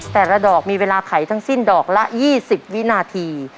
แต่ละดอกมีเวลาไขทั้งสิ้นดอกละ๒๐วินาที